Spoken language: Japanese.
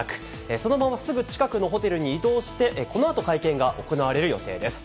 そのまま、すぐ近くのホテルに移動して、このあと会見が行われる予定です。